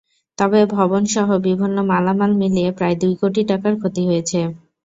তবে ভবনসহ বিভিন্ন মালামাল মিলিয়ে প্রায় দুই কোটি টাকার ক্ষতি হয়েছে।